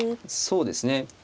そうですね。